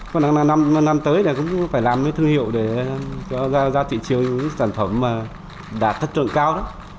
còn năm tới thì cũng phải làm thương hiệu để ra thị trường sản phẩm đạt thất trợ cao